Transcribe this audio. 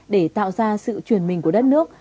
để tạo ra sự truyền mình của đất nước